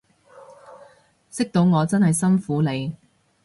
識到我真係辛苦你